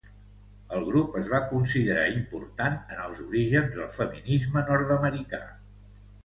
El grup es va considerar important en els orígens del feminisme nord-americà.